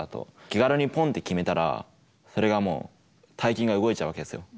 気軽にポンって決めたらそれがもう大金が動いちゃうわけですよ。